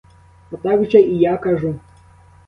Отак же і я кажу.